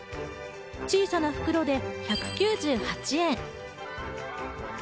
小さな袋で１９８円。